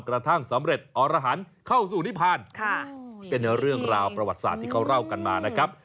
กระทั่งสำเร็จอรหันเข้าสู่นิพานเป็นเรื่องราวประวัติศาสตร์ที่เขาเล่ากันมานะครับ